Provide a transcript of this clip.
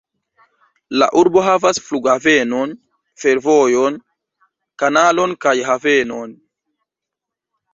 La urbo havas flughavenon, fervojon, kanalon kaj havenon.